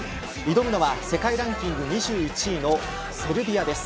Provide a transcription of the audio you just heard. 挑むのは世界ランキング２１位のセルビアです。